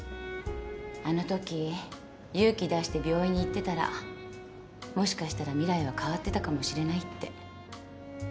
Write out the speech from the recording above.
あのとき勇気出して病院に行ってたらもしかしたら未来は変わってたかもしれないって。